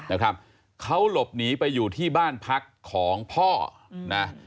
นะครับเขาหลบหนีไปอยู่ที่บ้านพักของพ่อนะ